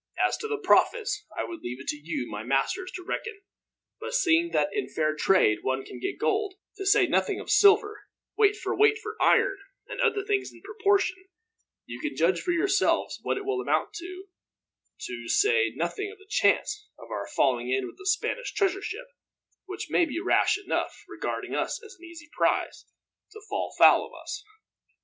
As to the profits, I would leave it to you, my masters, to reckon; but seeing that in fair trade one can get gold, to say nothing of silver, weight for weight for iron; and other things in proportion; you can judge for yourselves what it will amount to to say nothing of the chance of our falling in with a Spanish treasure ship, which may be rash enough, regarding us an easy prize, to fall foul of us."